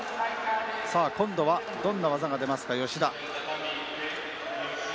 さあ今度はどんな技が出ますか吉田。